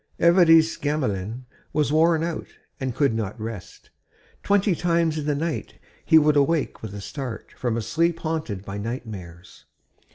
XXIII Évariste Gamelin was worn out and could not rest; twenty times in the night he would awake with a start from a sleep haunted by nightmares.